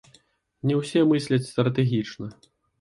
Не ўсе мысляць стратэгічна.